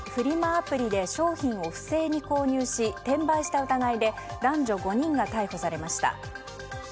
アプリで商品を不正に購入し転売した疑いで男女５人が逮捕されました。